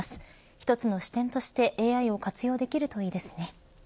一つの視点としてＡＩを活用できるといいですね。